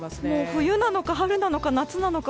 冬なのか春なのか夏なのか